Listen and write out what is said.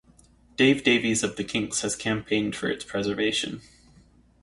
Dave Davies of The Kinks has campaigned for its preservation.